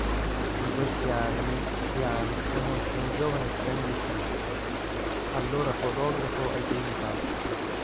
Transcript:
In questi anni Diane conosce un giovane Stanley Kubrick, allora fotografo ai primi passi.